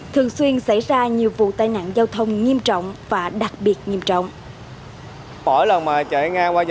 thường xuyên xảy ra nhiều vụ tai nạn giao thông nghiêm trọng và đặc biệt nghiêm trọng